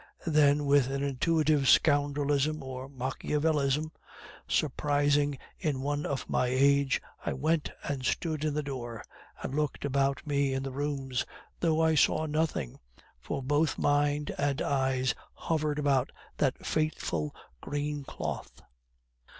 Then, with an intuitive scoundrelism, or Machiavelism, surprising in one of my age, I went and stood in the door, and looked about me in the rooms, though I saw nothing; for both mind and eyes hovered about that fateful green cloth.